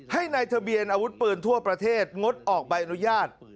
ให้ในทะเบียนอาวุธปืนทั่วประเทศงดออกใบอนุญาต